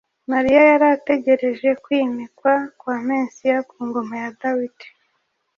Mariya yari ategereje kwimikwa kwa Mesiya ku ngoma ya Dawidi